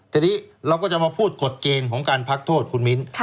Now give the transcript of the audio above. ทีนี้เราก็จะมาพูดกฎเกณฑ์ของการพักโทษคุณมิ้น